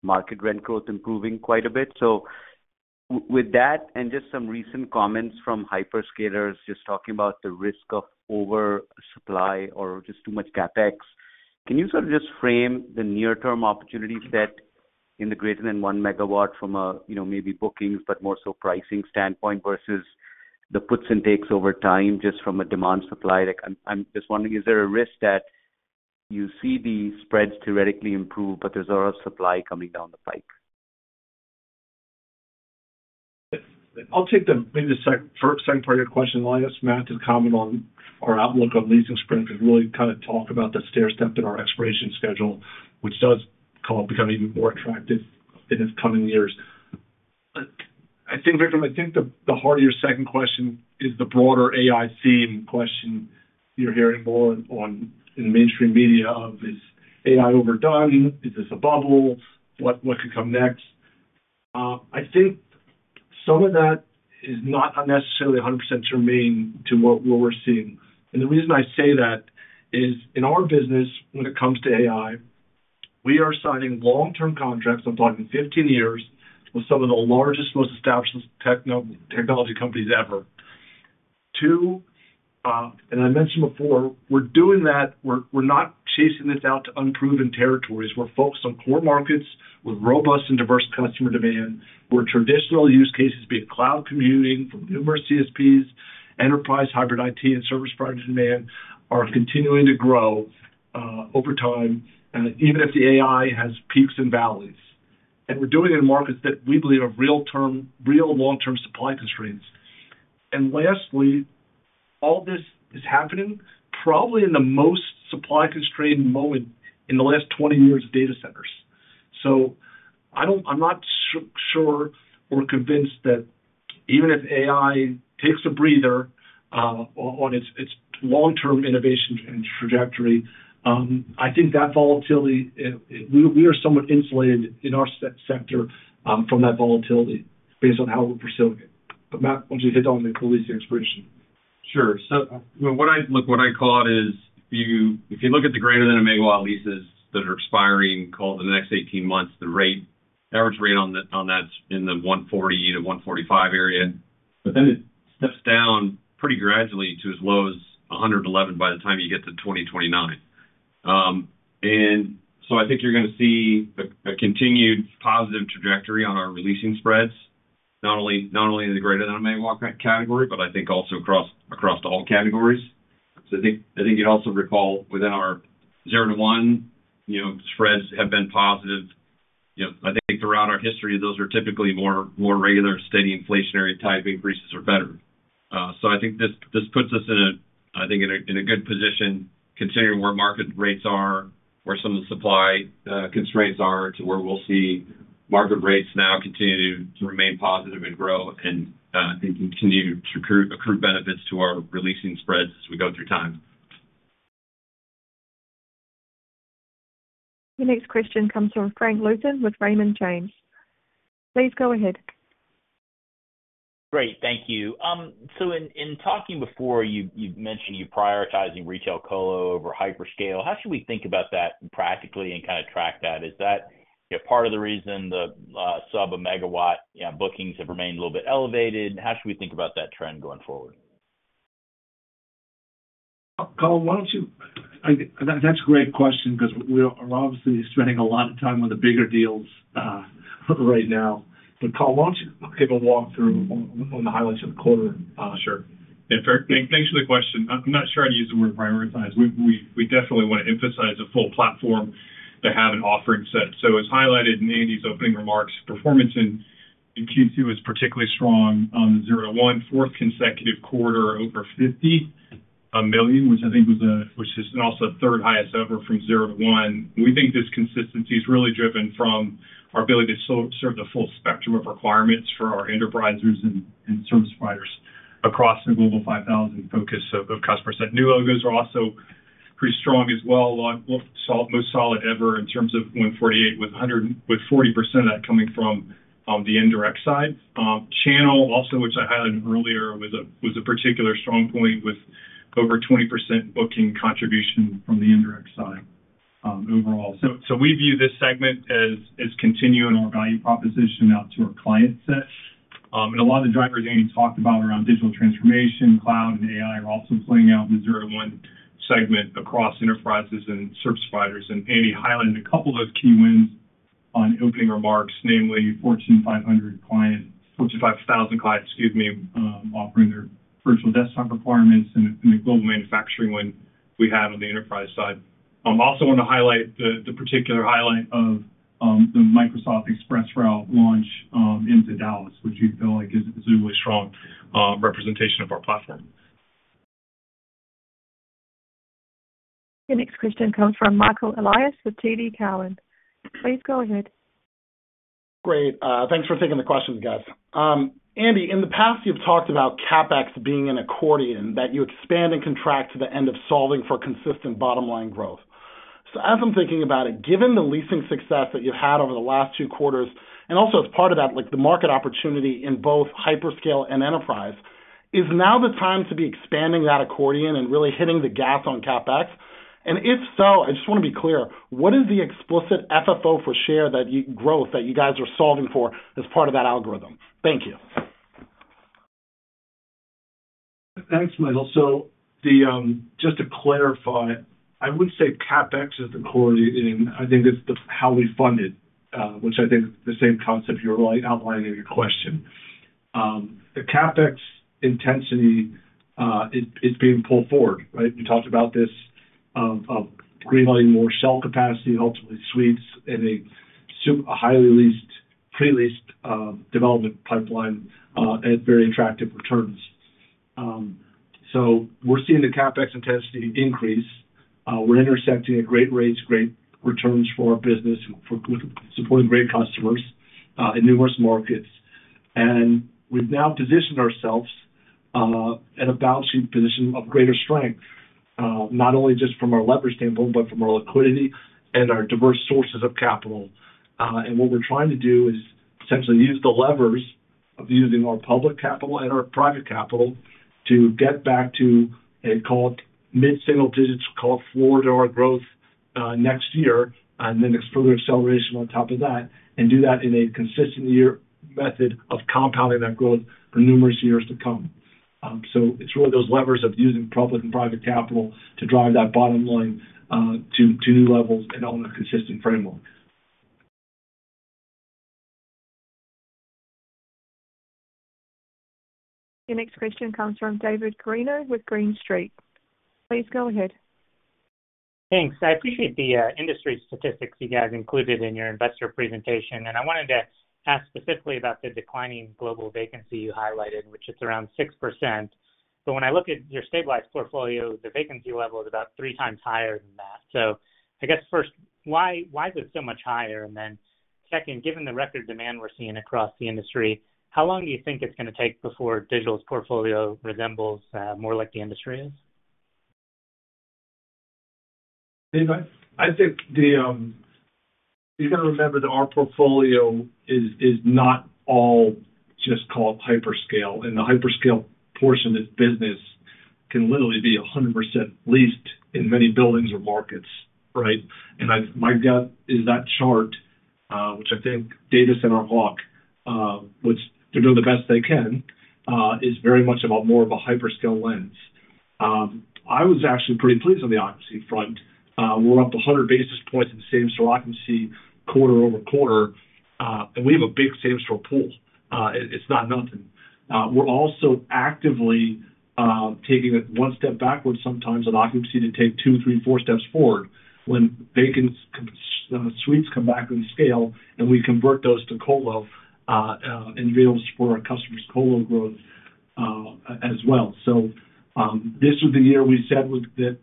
market rent growth improving quite a bit. So with that and just some recent comments from hyperscalers just talking about the risk of oversupply or just too much CapEx, can you sort of just frame the near-term opportunity set in the > 1 MW from a maybe bookings, but more so pricing standpoint versus the puts and takes over time just from a demand-supply? I'm just wondering, is there a risk that you see the spreads theoretically improve, but there's a lot of supply coming down the pike? I'll take the maybe the second part of your question. And I'll ask Matt to comment on our outlook on leasing sprints is really kind of to talk about the stair step in our expiration schedule, which does become even more attractive in these coming years. I think, Vikram, I think the heart of your second question is the broader AI theme question you're hearing more in mainstream media of, is AI overdone? Is this a bubble? What could come next? I think some of that is not necessarily 100% germane to what we're seeing. And the reason I say that is, in our business, when it comes to AI, we are signing long-term contracts. I'm talking 15 years with some of the largest, most established technology companies ever. Two, and I mentioned before, we're doing that. We're not chasing this out to unproven territories. We're focused on core markets with robust and diverse customer demand, where traditional use cases, being cloud computing from numerous CSPs, enterprise hybrid IT, and service provider demand, are continuing to grow over time, even if the AI has peaks and valleys. We're doing it in markets that we believe have real term, real long-term supply constraints. Lastly, all this is happening probably in the most supply-constrained moment in the last 20 years of data centers. So I'm not sure or convinced that even if AI takes a breather on its long-term innovation trajectory. I think that volatility, we are somewhat insulated in our sector from that volatility based on how we're perceiving it. But Matt, once you hit on the leasing expiration. Sure. So what I call it is if you look at the > 1 MW leases that are expiring called in the next 18 months, the average rate on that's in the $140-$145 area. But then it steps down pretty gradually to as low as $111 by the time you get to 2029. And so I think you're going to see a continued positive trajectory on our releasing spreads, not only in the > 1 MW category, but I think also across all categories. So I think you'd also recall within our 0-1 MW spreads have been positive. I think throughout our history, those are typically more regular, steady inflationary type increases or better. So I think this puts us in, I think, in a good position, considering where market rates are, where some of the supply constraints are, to where we'll see market rates now continue to remain positive and grow and continue to accrue benefits to our releasing spreads as we go through time. The next question comes from Frank Louthan with Raymond James. Please go ahead. Great. Thank you. So in talking before, you mentioned you're prioritizing retail colo over hyperscale. How should we think about that practically and kind of track that? Is that part of the reason the sub-a-megawatt bookings have remained a little bit elevated? How should we think about that trend going forward? Colin, why don't you—that's a great question because we're obviously spending a lot of time on the bigger deals right now. But Colin, why don't you give a walkthrough on the highlights of the quarter? Sure. Yeah, thanks for the question. I'm not sure how to use the word prioritize. We definitely want to emphasize a full platform to have an offering set. So as highlighted in Andy's opening remarks, performance in Q2 is particularly strong on the zero to one, fourth consecutive quarter over $50 million, which I think was also the third highest ever from 0-1 MW. We think this consistency is really driven from our ability to serve the full spectrum of requirements for our enterprises and service providers across the Global 5000 focus of customers. New logos are also pretty strong as well, most solid ever in terms of 148, with 40% of that coming from the indirect side. Channel, also, which I highlighted earlier, was a particular strong point with over 20% booking contribution from the indirect side overall. So we view this segment as continuing our value proposition out to our client set. And a lot of the drivers Andy talked about around digital transformation, cloud, and AI are also playing out in the 0-1 MW segment across enterprises and service providers. And Andy highlighted a couple of key wins on opening remarks, namely 14,500 clients, 14,000 clients, excuse me, offering their virtual desktop requirements and the global manufacturing one we have on the enterprise side. I also want to highlight the particular highlight of the Microsoft ExpressRoute launch into Dallas, which we feel like is a really strong representation of our platform. The next question comes from Michael Elias with TD Cowen. Please go ahead. Great. Thanks for taking the questions, guys. Andy, in the past, you've talked about CapEx being an accordion that you expand and contract to the end of solving for consistent bottom line growth. So as I'm thinking about it, given the leasing success that you've had over the last two quarters, and also as part of that, the market opportunity in both hyperscale and enterprise, is now the time to be expanding that accordion and really hitting the gas on CapEx? And if so, I just want to be clear, what is the explicit FFO for share that you growth that you guys are solving for as part of that algorithm? Thank you. Thanks, Michael. So just to clarify, I wouldn't say CapEx is the accordion. I think it's how we fund it, which I think is the same concept you're outlining in your question. The CapEx intensity is being pulled forward, right? We talked about this in terms of releasing more shell capacity and ultimately suites in a highly leased, pre-leased development pipeline at very attractive returns. So we're seeing the CapEx intensity increase. We're investing at great rates, great returns for our business, supporting great customers in numerous markets. And we've now positioned ourselves at a balance sheet position of greater strength, not only just from our leverage standpoint, but from our liquidity and our diverse sources of capital. And what we're trying to do is essentially use the levers of using our public capital and our private capital to get back to a mid-single digits, call it floor to our growth next year, and then further acceleration on top of that, and do that in a consistent year method of compounding that growth for numerous years to come. So it's really those levers of using public and private capital to drive that bottom line to new levels and on a consistent framework. The next question comes from David Guarino with Green Street. Please go ahead. Thanks. I appreciate the industry statistics you guys included in your investor presentation. And I wanted to ask specifically about the declining global vacancy you highlighted, which is around 6%. But when I look at your stabilized portfolio, the vacancy level is about three times higher than that. So I guess first, why is it so much higher? And then second, given the record demand we're seeing across the industry, how long do you think it's going to take before Digital's portfolio resembles more like the industry is? I think you've got to remember that our portfolio is not all just called hyperscale. The hyperscale portion of business can literally be 100% leased in many buildings or markets, right? My gut is that chart, which I think Data Center Hawk—which they're doing the best they can—is very much about more of a hyperscale lens. I was actually pretty pleased on the occupancy front. We're up 100 basis points in the same-store sequential quarter-over-quarter. We have a big same-store pool. It's not nothing. We're also actively taking it one step backward sometimes on occupancy to take two, three, four steps forward when vacant suites come back online, and we convert those to colo and be able to support our customers' colo growth as well. This was the year we said that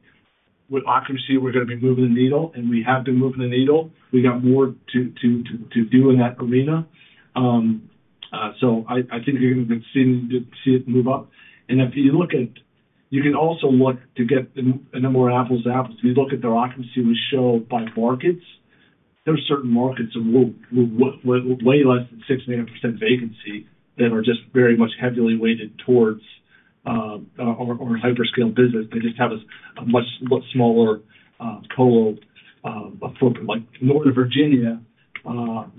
with occupancy, we're going to be moving the needle, and we have been moving the needle. We got more to do in that arena. So I think you're going to see it move up. And if you look at, you can also look to get more apples to apples. If you look at the occupancy we show by markets, there are certain markets of way less than 6%-8% vacancy that are just very much heavily weighted towards our hyperscale business. They just have a much smaller colo footprint. Like Northern Virginia,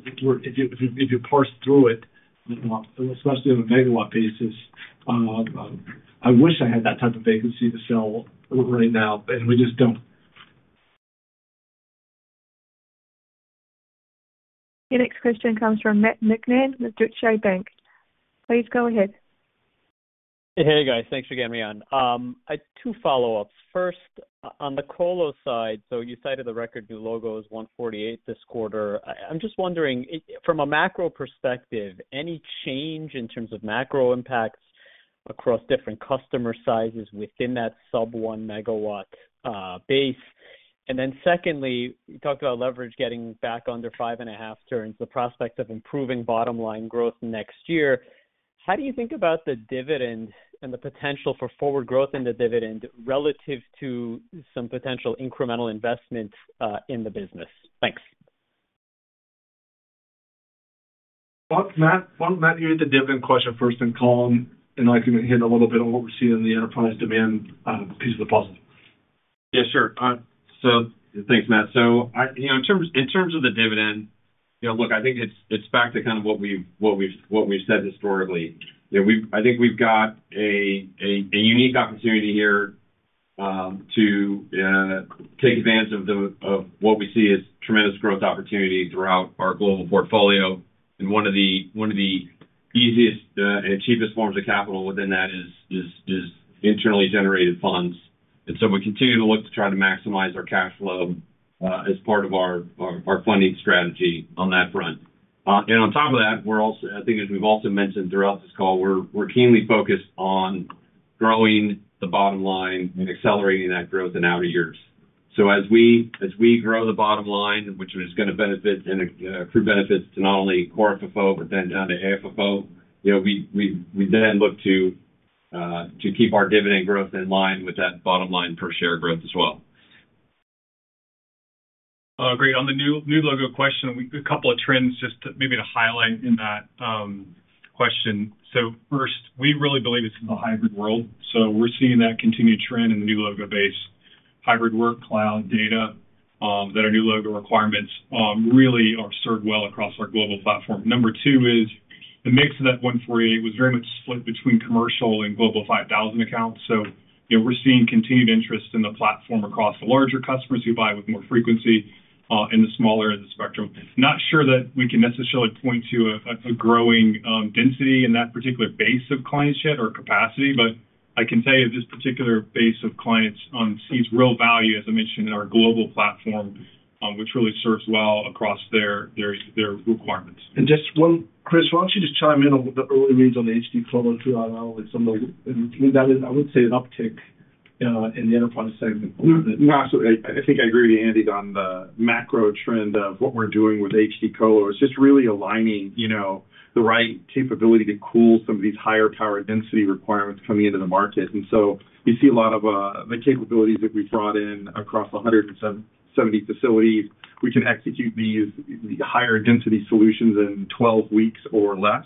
if you parse through it, especially on a megawatt basis, I wish I had that type of vacancy to sell right now, and we just don't. The next question comes from Matthew Niknam with Deutsche Bank. Please go ahead. Hey, guys. Thanks for getting me on. Two follow-ups. First, on the colo side, so you cited the record new logos 148 this quarter. I'm just wondering, from a macro perspective, any change in terms of macro impacts across different customer sizes within that sub-1 MW base? And then secondly, you talked about leverage getting back under 5.5 turns, the prospect of improving bottom line growth next year. How do you think about the dividend and the potential for forward growth in the dividend relative to some potential incremental investment in the business? Thanks. Matt, you hit the dividend question first and Colin, and I can hit a little bit on what we're seeing in the enterprise demand piece of the puzzle. Yeah, sure. So thanks, Matt. So in terms of the dividend, look, I think it's back to kind of what we've said historically. I think we've got a unique opportunity here to take advantage of what we see as tremendous growth opportunity throughout our global portfolio. One of the easiest and cheapest forms of capital within that is internally generated funds. So we continue to look to try to maximize our cash flow as part of our funding strategy on that front. On top of that, I think as we've also mentioned throughout this call, we're keenly focused on growing the bottom line and accelerating that growth in outer years. As we grow the bottom line, which is going to benefit and accrue benefits to not only core FFO, but then down to AFFO, we then look to keep our dividend growth in line with that bottom line per share growth as well. Great. On the new logo question, a couple of trends just maybe to highlight in that question. First, we really believe this is a hybrid world. So we're seeing that continued trend in the new logo base, hybrid work, cloud, data, that our new logo requirements really are served well across our global platform. Number two is the mix of that 148, was very much split between commercial and global 5,000 accounts. So we're seeing continued interest in the platform across the larger customers who buy with more frequency in the smaller end of the spectrum. Not sure that we can necessarily point to a growing density in that particular base of client base or capacity, but I can tell you this particular base of clients sees real value, as I mentioned, in our global platform, which really serves well across their requirements. And just one, Chris, why don't you just chime in on the early reads on the HD Colo through our analysis? I would say an uptick in the enterprise segment. Absolutely. I think I agree with Andy on the macro trend of what we're doing with HD Colo. It's just really aligning the right capability to cool some of these higher power density requirements coming into the market. And so you see a lot of the capabilities that we've brought in across 170 facilities. We can execute these higher density solutions in 12 weeks or less.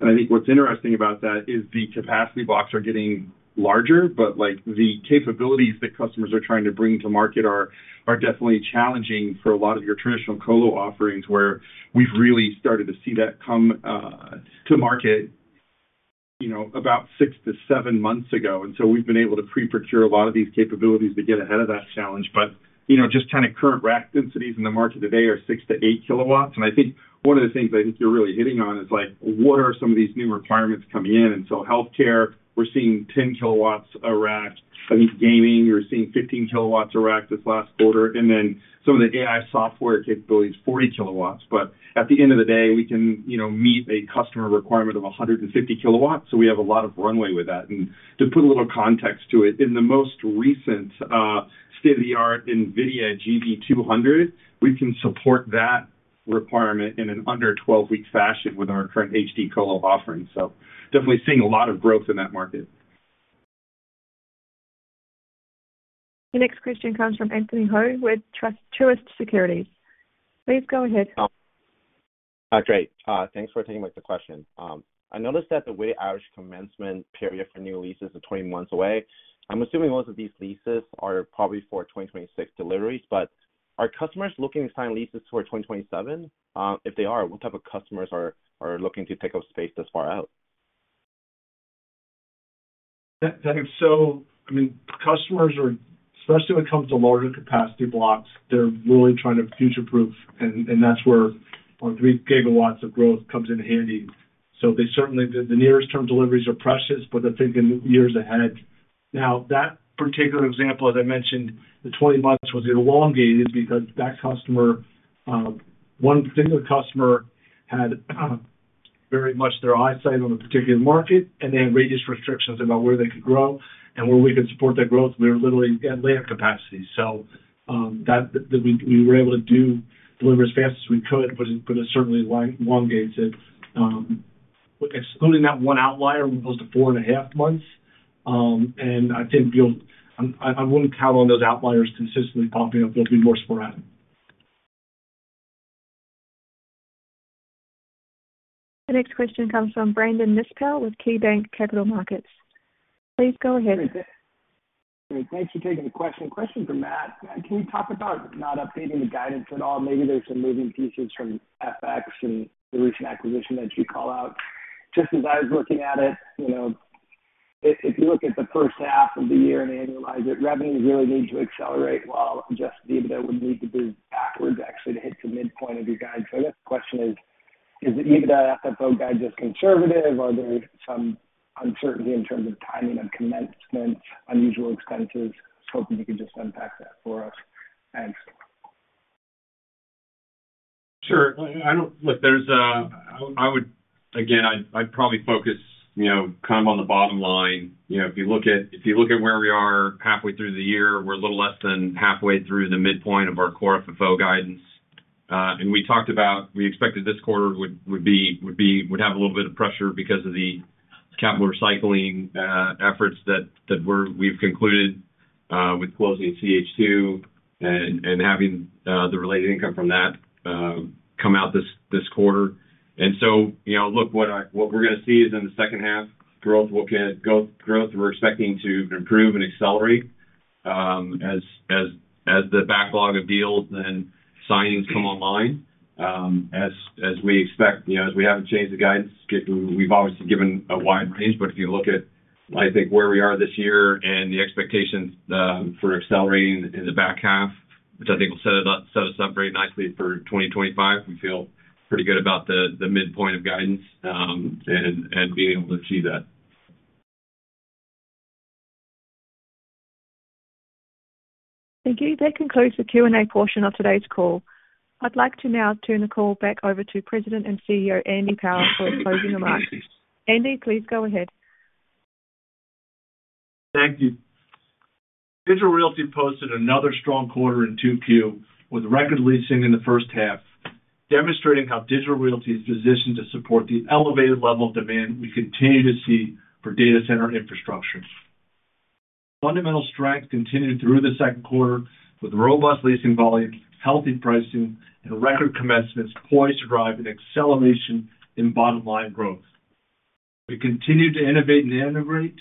And I think what's interesting about that is the capacity blocks are getting larger, but the capabilities that customers are trying to bring to market are definitely challenging for a lot of your traditional colo offerings where we've really started to see that come to market about six to seven months ago. And so we've been able to pre-procure a lot of these capabilities to get ahead of that challenge. But just kind of current rack densities in the market today are 6 kW-8 kW. And I think one of the things I think you're really hitting on is what are some of these new requirements coming in? And so healthcare, we're seeing 10 kW a rack. I think gaming, you're seeing 15 kW a rack this last quarter. And then some of the AI software capabilities, 40 kW. But at the end of the day, we can meet a customer requirement of 150 kW. So we have a lot of runway with that. And to put a little context to it, in the most recent state-of-the-art NVIDIA GB200, we can support that requirement in an under 12-week fashion with our current HD Colo offering. So definitely seeing a lot of growth in that market. The next question comes from Anthony Hau with Truist Securities. Please go ahead. Great. Thanks for taking the question. I noticed that the way average commencement period for new leases is 20 months away. I'm assuming most of these leases are probably for 2026 deliveries, but are customers looking to sign leases for 2027? If they are, what type of customers are looking to take up space this far out? Thanks. So I mean, customers, especially when it comes to larger capacity blocks, they're really trying to future-proof, and that's where our 3 GW of growth comes in handy. So certainly, the nearest term deliveries are precious, but they're thinking years ahead. Now, that particular example, as I mentioned, the 20 months was elongated because that customer, one particular customer, had very much their eyesight on a particular market, and they had reduced restrictions about where they could grow and where we could support their growth. We were literally at layout capacity. So we were able to deliver as fast as we could, but it certainly elongated. Excluding that one outlier, we're close to 4.5 months. And I think I wouldn't count on those outliers consistently popping up. There'll be more sporadic. The next question comes from Brandon Nispel with KeyBanc Capital Markets. Please go ahead. Thanks for taking the question. Question for Matt. Can we talk about not updating the guidance at all? Maybe there's some moving pieces from FX and the recent acquisition that you call out. Just as I was looking at it, if you look at the first half of the year and annualize it, revenue really needs to accelerate while just EBITDA would need to move backwards actually to hit the midpoint of your guidance. So I guess the question is, is the EBITDA FFO guide just conservative? Are there some uncertainty in terms of timing of commencement, unusual expenses? Hoping you could just unpack that for us. Thanks. Sure. Look, I would, again, I'd probably focus kind of on the bottom line. If you look at where we are halfway through the year, we're a little less than halfway through the midpoint of our core FFO guidance. And we talked about we expected this quarter would have a little bit of pressure because of the capital recycling efforts that we've concluded with closing CH2 and having the related income from that come out this quarter. And so look, what we're going to see is in the second half, growth we're expecting to improve and accelerate as the backlog of deals and signings come online. As we expect, as we haven't changed the guidance, we've obviously given a wide range, but if you look at, I think, where we are this year and the expectations for accelerating in the back half, which I think will set us up very nicely for 2025, we feel pretty good about the midpoint of guidance and being able to achieve that. Thank you. That concludes the Q and A portion of today's call. I'd like to now turn the call back over to President and CEO Andy Power for a closing remark. Andy, please go ahead. Thank you. Digital Realty posted another strong quarter in 2Q with record leasing in the first half, demonstrating how Digital Realty is positioned to support the elevated level of demand we continue to see for data center infrastructure. Fundamental strength continued through the second quarter with robust leasing volume, healthy pricing, and record commencements, poised to drive an acceleration in bottom line growth. We continue to innovate and integrate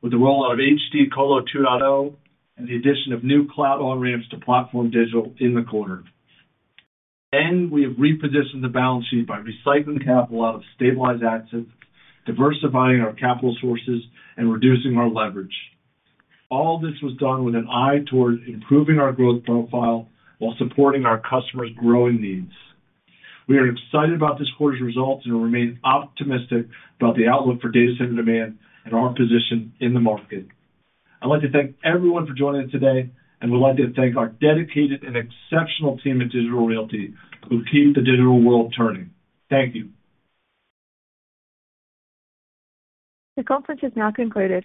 with the rollout of HD Colo 2.0 and the addition of new cloud on-ramps to PlatformDIGITAL in the quarter. And we have repositioned the balance sheet by recycling capital out of stabilized assets, diversifying our capital sources, and reducing our leverage. All this was done with an eye toward improving our growth profile while supporting our customers' growing needs. We are excited about this quarter's results and remain optimistic about the outlook for data center demand and our position in the market. I'd like to thank everyone for joining us today, and we'd like to thank our dedicated and exceptional team at Digital Realty who keep the digital world turning. Thank you. The conference is now concluded.